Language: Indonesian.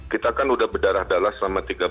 kita kan sudah berdarah darah selama tiga bulan ya